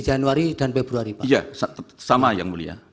januari dan februari iya sama yang mulia